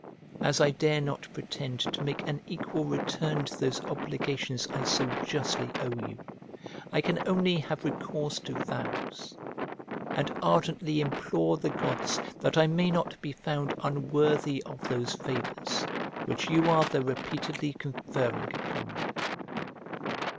As I dare not pretend to make an equal return to those obligations I so justly owe you, I can only have recourse to vows, and ardently implore the gods that I may not be found unworthy of those favours which you are repeatedly conferring upon me.